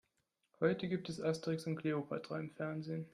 Heute gibt es Asterix und Kleopatra im Fernsehen.